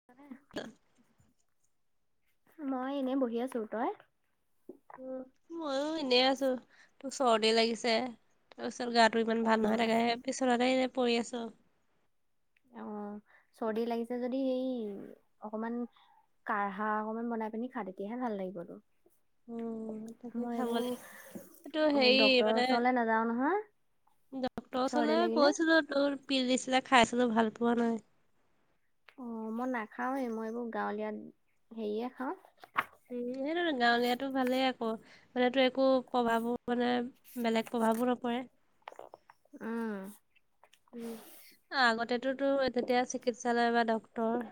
[unintelligible] [unintelligible] মই এনেই বহি আছোঁ তই। উ ময়ো এনে আছো তো চৰ্দি লাগিছে। তাৰ পিছত গাটো ইমান ভাল উম। নহয় তাকে সেই বিচনাতে এনে পৰি আছো। অ চৰ্দি লাগিছে যদি সেই অকমান, কাঢ়া অকমান বনাই পিনি খা তেতিয়াহে ভাল লাগিব তোৰ। উম, তাকে মই খাব লাগিব এইটো এইবোৰ ডক্তৰ ওচৰলে নাযাও নহয়। ডক্তৰ চৰ্দি ওচৰলে লাগিলে গৈছিলো। তোৰ পিল দিছিলে খাইছিলো ভাল পোৱা নাই। অ মই নাখাওৱে মই এইবোৰ গাঁৱলীয়া হেৰিয়ে খাওঁ। উম সেইটো গাঁৱলীয়াতো ভালেই আকৌ মানাতো একো প্ৰভাৱো মানে, বেলেগ প্ৰভাৱো নপৰে। উম, উ আগতেতো তেতিয়া চিকিৎসালয় বা ড ৰ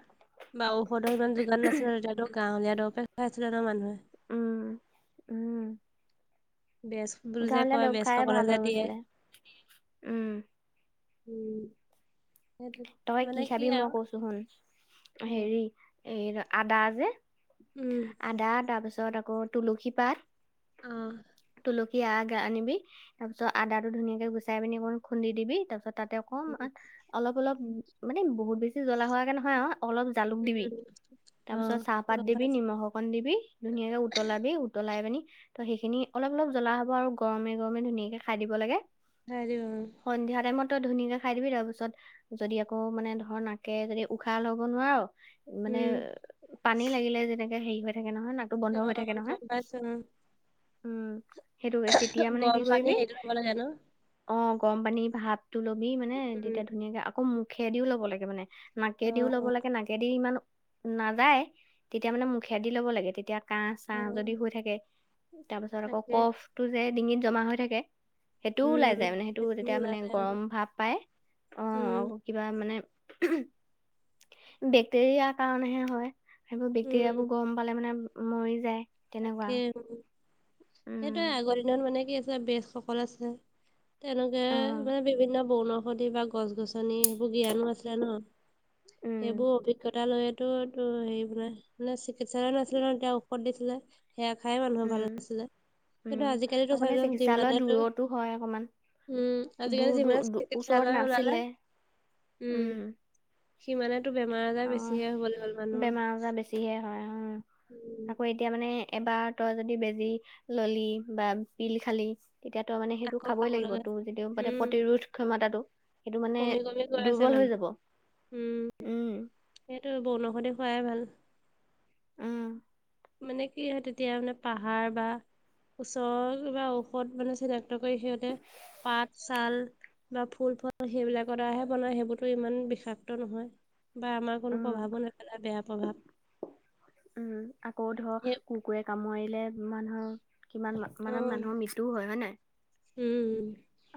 বা ঔষধৰ, ইমান যোগান নাছিলে এতিয়াতো গাঁৱলীয়া দৰবহে খোৱাই ছিলে মানুহে উম, উম, বেছবুলি যে কয় খাই বেছসকলে ভাল যে হৈ দিয়ে, গৈছিলে উম উম, সেইটো তই কি মানে খাবি মই আৰু কৈছো শুন অ', হেৰি এ আদা যে। উম, আদা তাৰ পিছত আকৌ তুলসী পাত অ', তুলসী আদা আনিবি তাৰিছ আদাটো ধুনীয়াকৈ গুচাই পিনি অকণমান খুন্দি দিবি তাৰপিছত তাতে, অম উম, অলপ অলপ মানে বহুত বেছি জ্বলা হোৱাকে নহয় অ অলপ জালুক দিবি উম, তাৰ পিছত অ', চাহপাত গম দিবি পাইছোঁ, নিমখ অকণ দিবি ধুনীয়াকে উতলাবি উতলাই কিনি, ত সেইখিনি অলপ অলপ জ্বলা হব আৰু গৰমে গৰমে ধুনীয়াকে খাই দিব লাগে। [unintelligible] সন্ধিয়া টাইমত তই ধুনীয়াকে খাই দিবি তাৰপিছত। যদি আকৌ মানে ধৰ নাকেৰে যদি উশাহ লব নোৱাৰ মানে, উম, পানী লাগিলে যেনেকে হেৰি হৈ থাকে নহয় নাকটো বন্ধ হৈ অ', থাকে নহয়। গম পাইছোঁ, উম, সেইটো তেতিয়া অ', মানে কি গৰম পানী কৰিবি। হেৰিটো ল'ব লাগে ন? অ গৰম পানী ভাপটো লবি মানে উম, তেতিয়া ধুনীয়াকে আকৌ মুখেদিও ল'ব লাগে মানে। নাকেদিও ল'ব অ', লাগে নাকেদি ইমান নাযায় তেতিয়া মানে মুখেদি লব লাগে তেতিয়া কাহ-চাহ যদি অ', হৈ থাকে তাৰপিছত আকৌ তাকে, কফটো যে ডিঙিত জমা হৈ থাকে সেইটোও উম, ওলাই যায় মানে সেইটো তেতিয়া মানে ওলালে আৰু গৰম ভাৱ পায় অ। উম, কিবা মানে বেক্টেৰিয়া কাৰণেহে হয়। সেইবোৰ উম, বেক্টেৰিয়াবোৰ গম পালে মানে মৰি যায়। তেনেকুৱা তাকে উম, সেইটোৱে উম আগৰ দিনত মানে কি আছিলে বেছসকল আছে তেওঁলোকে অ মানে বিভিন্ন বৰ্ন- ঔষধি বা গছ গছনি সেইবোৰ জ্ঞানো আছিলে ন উম সেইবোৰ অভিজ্ঞতা লৈ টোটো হেৰি বোলে মানে চিকিৎসালয় নাছিলে নহয় তেওঁ ঔষধ দিছিলে। সেয়া খাই মানুহে ভাল উম আছিলে উম কিন্তু আজিকালিটো আকৌ মানে চাৰিজন চিকিৎসালয়ৰ যিমানেই তোৰ দূৰতো হয় অকমান উম, আজিকালি দূৰ দূৰ যিমানে দূ ওচৰত চিকিৎসালয় ওলালে নাছিলে। উম। সিমানেতো বেমাৰ আজাৰ বেছিহে হবলে হ'ল মানুহৰ। যিহে হয় অহ, উম আকৌ এতিয়া মানে এবাৰ তই যদি বেজি ললি বা পিল খালি এতিয়াতো মানে সেইটো আকৌ খাবই খাব লাগিব লগা তোৰ যিটো মানে উম প্ৰতিৰোধ ক্ষমতাটো সেইটো মানে কমি -কমি গৈ আছে দুৰ্বল হৈ মানুহ যাব। উম সেইটো বনৌষধি খোৱাই ভাল। উম, মানে কি হয় তেতিয়া মানে পাহাৰ বা ওচৰৰ কিবা ঔষধ মানে চিধা ত 'কৰি সিহঁতে পাত, ছাল বা ফুল-ফল সেইবিলাকৰ দ্বাৰাহে বনাই সেইবোৰতো ইমান বিষাক্ত নহয় বা আমাক কোনো উম, প্ৰভাৱো নেপেলাই বেয়া প্ৰভাৱ। উম, আকৌ ধৰ সেই কুকুৰে কামুৰিলে মানুহৰ কিমান মা অ মানে মানুহৰ মৃত্যু হয় হয় নাই? উম,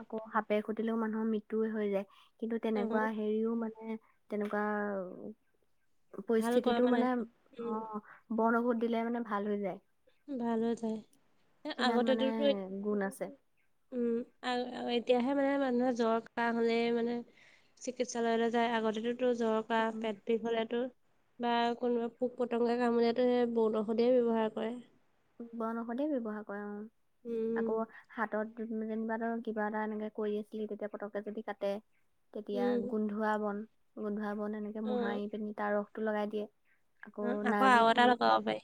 আকৌ সাপে খুটিলেও মানুহৰ মৃত্যুই হৈ যায় কিন্তু তেনেকুৱা অ', হেৰিও মানে তেনেকুৱা ভাল কৰা পৰিস্থিতিটো মানে উম, অ বন ঔষধ দিলে মানে ভাল হৈ যায়। ভাল হৈ যায় [unintelligible] কিমান আগতে মানে তোৰ কি গুণ আছে। উম, আৰু -আৰু এতিয়াহে মানে মানুহে জ্বৰ কাহ হ'লে মানে চিকিৎসালয়লে যাই আগতেতো জ্বৰ, কাহ, পেট উম পেট বিষ হ'লে তোৰ বা কোনোবা পোক-পতংগই কামুৰিলেতো সেই বনঔষধেই ব্যৱহাৰ কৰে। বনঔষধেই ব্যৱহাৰ কৰে অ, উম, আকৌ হাতত [unintelligible] যেনিবা ধৰ কিবা এটা এনেকে কৰি আছিলি তেতিয়া পতকে যদি কাটে তেতিয়া উম। গুন ধুৱা বন গোন্ধোৱা বন এনেকে উম, মোহাৰি পিনি তাৰ ৰসটো লগাই দিয়ে। অ, আকৌ নাৰ্জী আৰু এটা ফুল লগাব পাৰি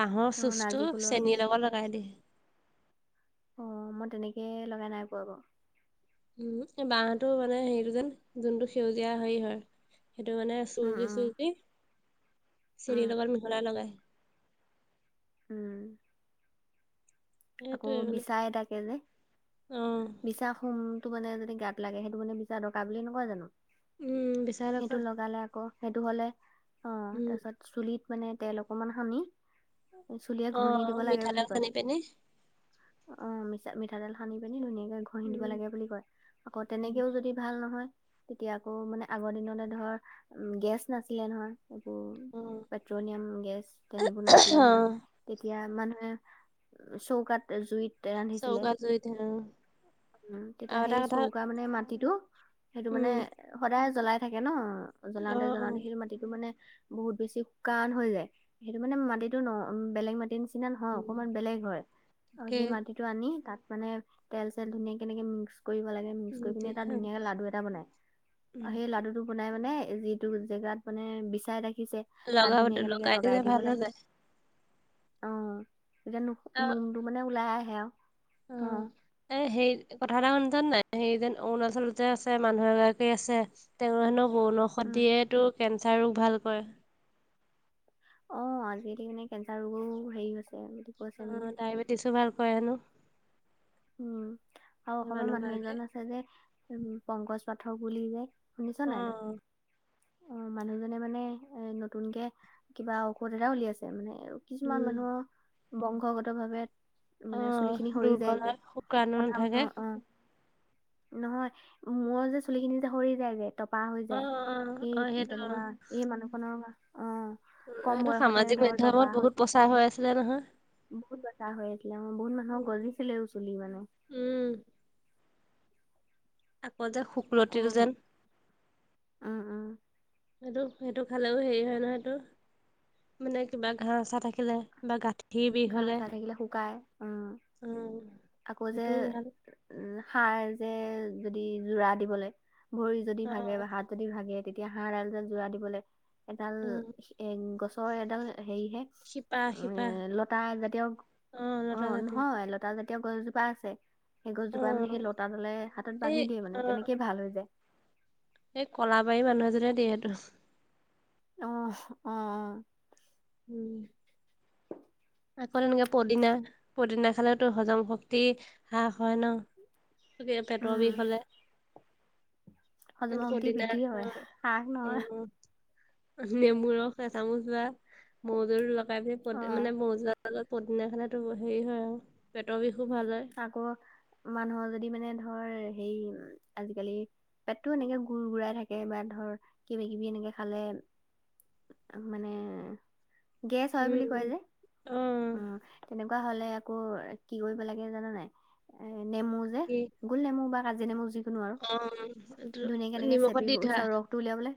বাঁহৰ অ' চুচ নাৰ্জী টো ফুলৰ চেনীৰ লগত লগাই দি। অ, মই তেনেকে লগাই নাই পোৱা বাৰু। উম, এই বাহটো মানে হেৰিটো যেন যোনটো সেউজীয়া হেৰি হয় সেইটো মানে উম, উম, চুহোকি-চুহোকি চিৰি উম, লগত মিহলাই লগাই। উম, আকৌ সেইটোৱে মানে বিচাই দাকে যে অ', বিচা খোম টো মানে যদি গাত লাগে সেইটো মানে বিচা দকা বুলি নকয় জানো উম, বিচাৰ সেইটো পৰা লগালে আকৌ সেইটো হ'লে অ, উম, তাৰছত চুলিত মানে তেল অকমান সানি চুলিয়ে ঘঁহি দিব লাগে বুলি কয়। পেনে অ, মিছা মিঠাতেল সানি পানী ধুনীয়াকে ঘঁহি দিব উম, লাগে বুলি কয় আকৌ উম, তেনেকেওঁ যদি ভাল নহয় তেতিয়া আকৌ মানে আগৰ দিনতে ধৰ গেছ নাছিলে নহয়। এইবোৰ অ', পেট্ৰলিয়াম গেছ তে সেইবোৰ নাছিলে নহয় অ', তেতিয়া মানুহে চৌকাত জুইত তে ৰান্ধিছিলে চৌকা জুইত হে, অ', উম তেতিয়া আৰু এটা সেই কথা চৌকা মানে মাটিটো সেইটো মানে উম, সদায় জ্বলাই থাকে ন' অ', জ্বলাওঁতে -জ্বলাওঁতে হেই অ', সেইটো মাটিটো মানে- বহুত বেছি শুকান হৈ যায় সেইটো মানে মাটিতো ন' বেলেগ মাটিৰ নিচিনা নহয় উম, অকমান বেলেগ হয়। অ, তাকে সেই মাটিটো আনি তাত মানে তেল চেল ধুনীয়া কেনেকে মিক্স কৰিব লাগে মিক্স উম, কৰি পিনে এটা দিয়া ধুনীয়াকে লাডু এটা বনাই উম, সেই লাডুটো- একো নাই মানে, যিটো জেগাত মানে, বিচাই ডাকিছে তাত লগাব ধুনীয়াকে এনেকে লগাই দিলে দিব ভাল হৈ লাগে। যায়। অ'! তেতিয়া অ'! নোমটো মানে, ওলাই আহে আৰু। অ'! এ, সেই, কথা এটা শুনচোন! সেই যেন, অৰুণাচলত যে আছে, মানুহ এগৰাকী আছে। তেওঁ হেনোঁ বনৌষধ উম দিয়ে। এইটো, কেঞ্চাৰ ৰোগ ভাল কৰে। অ'! আজিকালি মানে, কেঞ্চাৰ ৰোগো হেৰি হৈছে। বুলি কৈছে মানে অ'! ডায়েবেটিছো ভাল কৰে হেনোঁ? উম! আৰু সেই অসমৰ মানুহ মানুহগৰাকীয়ে এজন আছে যে, উম! পংকজ পাঠক বুলি যে শুনিছ নাই ত‌ই? অ', অ'! মানুহজনে মানে, নতুনকে কিবা ঔষধ এটা উলিয়াইছে। মানে, কিছুমান উম। মানুহৰ, বংশগত ভাৱে, মানে, চুলি অ', খিনি সৰি দুৰ্বল যায় যে। হয় শুক্ৰাণু মতা নাথাকে মানুহ? অ'! নহয়, মূৰৰ যে, চুলিখিনি যে, সৰি যায় যে। টপা হৈ অ', যায়। অ', সেই, অ', সেইটো তেনেকুৱা অ'। সেই, মানুহখনৰ অ কম এইটো, বয়সতে সামাজিক ধৰ টপা মাধ্যমত হৈ বহুত প্ৰচাৰ হৈ আছিলে নহয়! বহুত [unintelligible] হৈ আছিলে। উম! বহুত মানুহৰ গজিছিলেও চুলি মানে। উম! আকৌ যে, আকৌ শুকলতি যেন উম উম সেইটো, সেইটো খালেও, হেৰি হয় নহয়! সেইটো। মানে, কিবা ঘাঁহ- চাহ থাকিলে বা গাঁঠ ঘাঁহ -চাহ থাকিলে শুকাই। উম! অ'। আকৌ যে সেইটোও ভাল উম! হাড় যে, যদি যোৰা দিবলৈ, ভৰি যদি অ ভাগে। হাত যদি ভাগে! তেতিয়া, হাড় ডাল যে জোৰা দিবলে এডাল অ এ, গছৰ এডাল হেৰিহে! শিপা এ -শিপা। লতা জাতীয়, অ'! লতা জাতীয় নহয়। লতা জাতীয় গছ এজোপা আছে। সেই অ গছজোপা মানে, সেই লতা ডালে হাতত এই বান্ধি দিয়ে মানে, অ তেনেকে ভাল হৈ যায়। এই, কলাবাৰী মানুহ এজনে দিয়ে সেইটো। অ' অ' অ'! উম! আকৌ, তেনেকে পদিনা, পদিনা খালেওঁতো হজম শক্তি হ্ৰাস হয় ন'? [unintelligible] পেটৰ উম বিষ হ'লে। হজম এইটো শক্তি পদিনা। বৃদ্ধি হয় অ'! হাস উম! নহয় উম! নেমুৰ ৰস এচামুচ বা মৌ-জুল লগাই পিনে, অ মানে, মৌ-জু লগত পদিনা খালে, তোৰ হেৰি হয় আৰু পেটৰ বিষো ভাল হয়। আকৌ, মানুহৰ যদি মানে, ধৰ হেৰি, আজিকালি পেটটো এনেকে, গুৰ- গুৰাই থাকে বা ধৰ, কিবা কিবি এনেকে খালে। মানে, গেছ হয় উম বুলি কয় যে? উম অ অ'! তেনেকুৱা হ'লে আকৌ, কি কৰিব লাগে জানা নাই? এ, নেমু যে কি? গোল নেমু বা কাজি নেমু যিকোনো আৰু [unintelligible] ধুনীয়াকে এনেকে নিমখত দি চেপিব, ধোৱা ৰসটো উলিয়াবলে।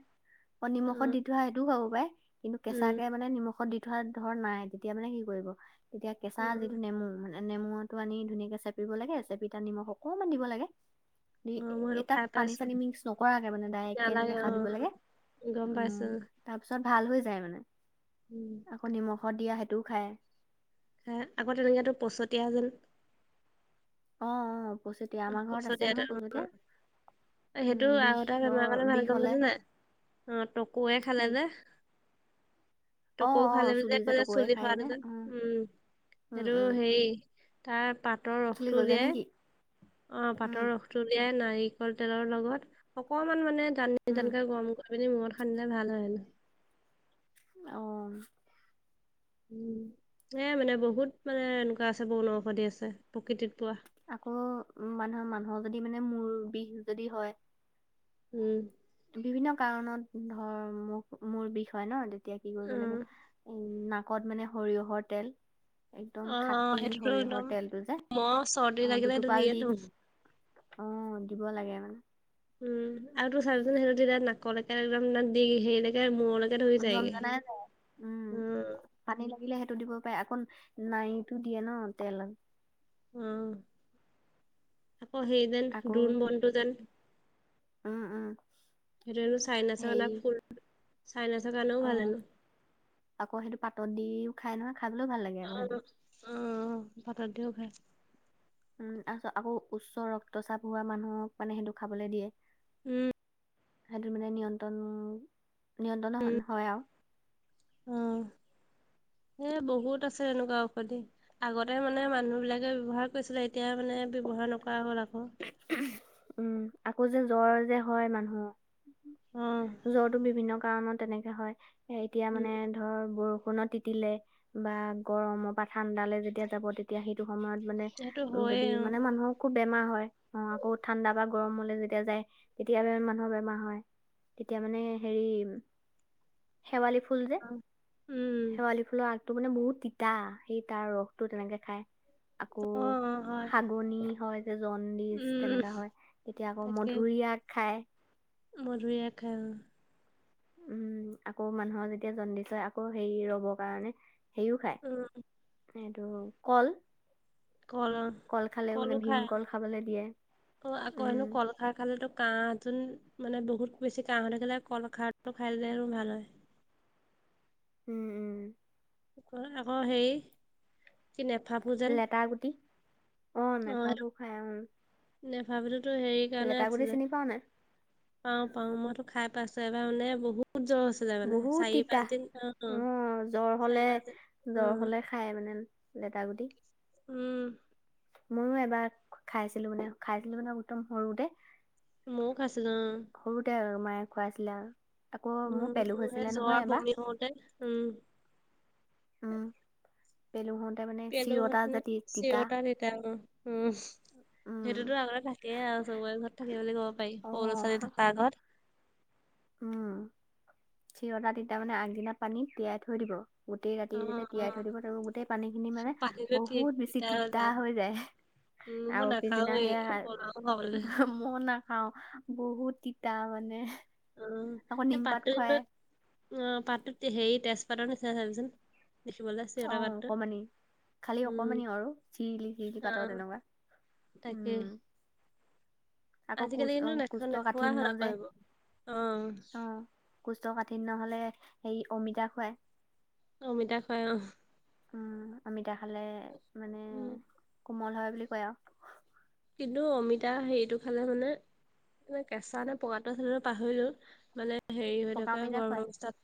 অ'! নিমখত দি থোৱা, সেইটোও ভৰাব পাই। কিন্তু, উম কেঁচাকে মানে, নিমখত দি ধৰা, ধৰ নাই! তেতিয়া মানে, কি কৰিব? তেতিয়া, অ', কেঁচা যিটো নেমু, মানে, নেমু টো আনি ধুনীয়াকে চেপিব লাগে। চেপি, তাত নিমখ অকমান দিব লাগে। [unintelligible] অ', মই এ, সেইটো তাত খাই পানী পাইছো -চানী মিক্স নকৰাকে মানে, ডাইৰেক্টকে নালাগে এনেকে খাই দিব অ', লাগে। গম উম পাইছোঁ। তাৰপিছত ভাল হৈ যায় মানে। উম! আকৌ নিমখত দিয়া সেইটোও খায়। হে আকৌ তেনেকে তোৰ পছতীয়া যেন। অ অ পছতীয়া আমাৰ ঘৰত আছে পচতীয়া নহয় তেল, পছতীয়া। সেইটো আৰু এটা বেমাৰ মানে ভাল গম পাইছে নাই অ টকুৱে খালে কি যে। [inaudible] অ টোকৌ অ খালে চুলি বুলি যে কলে টকৌৱে চুলি খাই সৰাটো যে উম উম হেটো উম সেই তাৰ পাতৰ চুলি ৰসটো গজে নেকি উলিয়াই অ উম পাতৰ ৰসটো উলিয়াই নাৰিকল তেলৰ লগত অকমান মানে দান উম দানকে গৰম, আপুনি মূৰত সানিলে ভাল হয়। অ, উ এ মানে বহুত মানে এনেকুৱা আছে বনঔষধি আছে প্ৰকৃতিত পোৱা। আকৌ মানুহৰ মানুহৰ যদি মানে মূৰ বিষ যদি হয়। উম, বিভিন্ন কাৰণত ধৰ মোক মূৰ বিষ হয় ন তেতিয়া কি কৰিব লাগে। অ'। নাকত মানে সৰিয়হৰ তেল। একদম অ', খাটি সেইটোতো একদম সৰিয়হৰ তেলটো যে মই চৰ্দি আহ লাগিলে সেইটো দুটোপাল দিয়ে দি। থওঁ। অ দিব লাগে মানে। উম আৰু তো চাবচোন সেইটো যেতিয়া নাকলৈকে একদম দি হেৰিলৈকে মূৰলৈকে, ধৈ যায় গে জনজনাই যায় উম, পানী লাগিলে সেইটো দিব পাৰে আকৌ নাইটো দিয়ে ন তেল, উম আকৌ সেই, যেন আকৌ দ্ৰোণ বনটো যেন উম উম, সেইটোনো চাইনাচৰ হেৰি ফুল চাইনাচৰ কানেও অ ভাল হেনো। আকৌ সেইটো পাত দিও খাই নহয় খাবলৈও ভাল লাগে আকৌ সেইটো। উম পাত দিও খাই। উম তাৰপিছত আকৌ উচ্চ ৰক্তচাপ হোৱা মানুহক মানে সেইটো খাবলৈ দিয়ে। উম, সেইটো মানে নিয়ন্ত্ৰণ নিয়ন্ত্ৰণো হয় আৰু [inaudible] এ বহুত আছে এনেকুৱা ঔষধি আগতে মানে মানুহ বিলাকে ব্যৱহাৰ কৰিছিলে। এতিয়া মানে ব্যৱহাৰ নকৰা হ'ল আকৌ। উম আকৌ যে জ্বৰ যে হয় মানুহ। অ, জ্বৰটো বিভিন্ন কাৰণত তেনেকে হয় এতিয়া উম, মানে ধৰ বৰষুণত তিতিলে। বা গৰমৰ বা ঠাণ্ডালে যেতিয়া যাব তেতিয়া সেইটো সময়ত মানে। সেইটো উ হয়ে যদি মানে মানুহৰ খুব বেমাৰ হয়। অ আকৌ ঠাণ্ডা বা গৰম হলে যেতিয়া যায় তেতিয়া মানুহৰ বেমাৰ হয়। তেতিয়া মানে হেৰি শেৱালি ফুল যে অ', উম। শেৱালি, ফুল আগটো মানে বহুত তিতা সেই তাৰ ৰস টো তেনেকে খাই। আকৌ অ', অ', হয়, হাগনি হয় যে জন, ইচ উম, তেনেকা হয় তেতিয়া আকৌ মধুৰি আগ খায়। মধুৰি আগ খাই উম, উম আকৌ মানুহৰ যেতিয়া জণ্ডিছ হয় আকৌ হেৰি ৰবৰ কাৰণে। হেও উম, খায় এইটো কল, কল অ'। কল খালেও কলো মানে খাই ভীম কল খাবলৈ দিয়ে অ', আকৌ উম। হেনো কল খাৰ খালেতো কাহ যোন মানে বহুত বেছি কাহ হৈ থাকিলে কল খাৰটো খাই দিলে আৰু ভাল হয়। উম উম ক আকৌ সেই লেত গুটি অ মেফাফো খাই অ নে ভাবিতো হেৰি, কাৰণে লেটা গুটি আছিলে চিনি পাওঁ নাই। পাওঁ পাও মই সেইটো খাই পাইছো এবাৰ মানে বহুত জ্বৰ আ, বহুত তিতা অ জ্বৰ চাৰি হলে পাঁচ দিন জ্বৰ উম, হলে খাই মানে লেটা গুটি উম ময়ো এবাৰ খাইছিলো মানে খাইছিলো মানে একদম সৰুতে মৌ খাইছিলো অ সৰুতে আৰু মায়ে খুৱাইছিলে আও উম সেই জ্বৰ বমি হওতে উম উম পেলু হওতে মানে চিৰতা পেলুহঁত যেতি তিতা চিৰতা উম উম সেইটোতো আগতে থাকে আও চবৰে ঘৰত থাকে বুলি ক'ব পাৰি অ সৰু ল'ৰা ছোৱালী থকা ঘত উম চিৰতা তেতিয়া মানে আগদিনা পানীত তিয়াই থৈ দিব গোটেই ৰাতি অ', যেতিয়া তিয়াই থৈ দিব তাছত আৰু গোটেই পানীখিনি অ', মানে পানীটো তি- বহুত বেছি তিতা যায়। হৈ যায় উম, মই আৰু পিছদিনা নাখাওৱে সেয়া পলাও খাবলৈ ম মই নাখাও বহুত তিতা মানে অ আকৌ এই নিমপাত পাততো খুৱাই কিন্তু অ পাততো হেৰি তেজপাতৰ নিচিনা চাবিচোন দেখিবলে অ অকমানি খালি অকমানি আৰু চিৰিলি চিৰিলি পাতৰ অ', তেনেকোৱা তাকে আকৌ আজিকালি কোচ কিন্তু নাখা কুস্থ নোখোৱা কাঠিন্য হ'ল আকৌ যে সেইবোৰ। অ', অ কৌষ্ঠ কাঠিন্য হলে হেৰি অমিতা খোৱাই অমিতা খোৱাই অ উম অমিতা খালে মানে উম কোমল হয় বুলি কয় আও কিন্তু অমিতা সেইটো খালে মানে কেঁচা নে পকাটো আছিলে ৰ পাহৰিলো মানে হেৰি হৈ পকা থকা অমিতা খুৱাই গৰ্ভ অৱস্থাত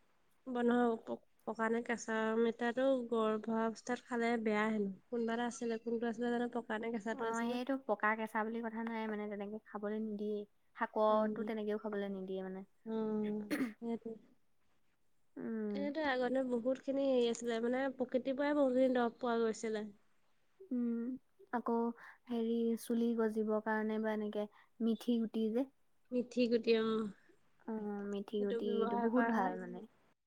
বন্ধ হব ক পকা নে কেঁচা অমিতাটো গৰ্ভ অৱস্থাত খালে বেয়া হেনো কোনোবা এটা আছিলে কোনটো আছিলে জানো পকা নে অ কেঁচাটো আছিলে সেইটো পকা কেঁচা বুলি কথা নাই মানে তেনেকে খাবলৈ নিদিয়েই শাকটো তেনেকেও খাবলৈ নিদিয়ে মানে উম উম এনেতো আগলে বহুত খিনি হেৰি আছিলে মানে প্ৰকৃতিৰ পৰাই বহুতখিন দৰৱ পোৱা গৈছিলে উম আকৌ হেৰি চুলি গজিবৰ কাৰণে বা এনেকে মিথি গুটি যে মিথি গুটি অ অ মিথি সেইটো গুটিটো ব্যৱহাৰ বহুত কৰা ভাল হয় মানে